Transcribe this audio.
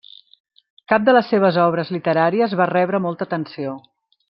Cap de les seves obres literàries va rebre molta atenció.